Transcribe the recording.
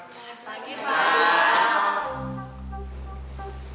selamat pagi pak